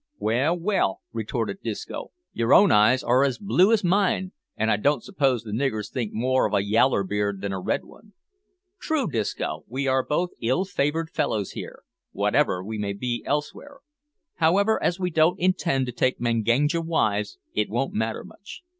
"Well, well," retorted Disco, "your own eyes are as blue as mine, an' I don't suppose the niggers think more of a yaller beard than a red one." "Too true, Disco; we are both ill favoured fellows here, whatever we may be elsewhere; however, as we don't intend to take Manganja wives it won't matter much.